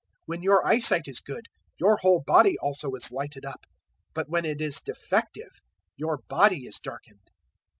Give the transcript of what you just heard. When your eyesight is good, your whole body also is lighted up; but when it is defective, your body is darkened.